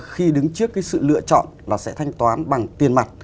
khi đứng trước cái sự lựa chọn là sẽ thanh toán bằng tiền mặt